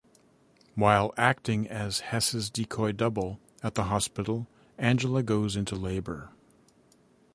While acting as Hesse's decoy double, at the hospital, Angela goes into labor.